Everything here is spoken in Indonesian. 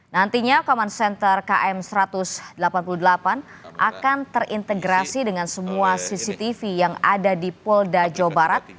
nantinya common center km satu ratus delapan puluh delapan akan terintegrasi dengan semua cctv yang ada di polda jawa barat